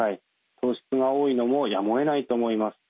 糖質が多いのもやむをえないと思います。